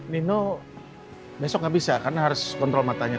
nino besok nggak bisa karena harus kontrol matanya